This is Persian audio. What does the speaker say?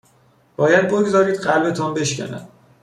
باید بگذارید قلبتان بشکند